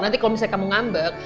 nanti kalau misalnya kamu ngambek